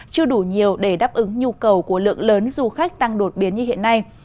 chưa đủ nhiều để đáp ứng nhu cầu của lượng lớn du khách tăng đột biến như hiện nay